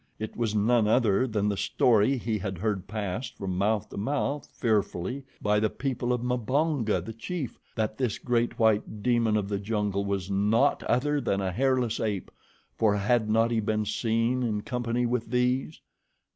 It was none other than the story he had heard passed from mouth to mouth, fearfully, by the people of Mbonga, the chief, that this great white demon of the jungle was naught other than a hairless ape, for had not he been seen in company with these?